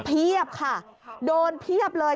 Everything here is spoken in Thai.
เพียบค่ะโดนเพียบเลย